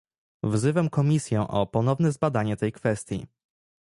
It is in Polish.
Wzywam Komisję o ponowne zbadanie tej kwestii